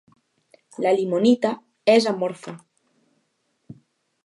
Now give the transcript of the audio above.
La limonita és amorfa.